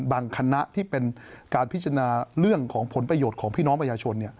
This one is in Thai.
คณะที่เป็นการพิจารณาเรื่องของผลประโยชน์ของพี่น้องประชาชน